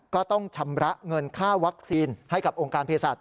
ก็ต้องชำระเงินค่าวัคซีนให้กับองค์การเพศศาส